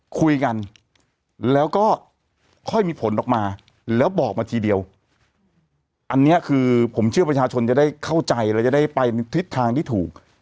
คุยกันแล้วก็ค่อยมีผลออกมาแล้วบอกมาทีเดียวอันนี้คือผมเชื่อประชาชนจะได้เข้าใจแล้วจะได้ไปทิศทางที่ถูก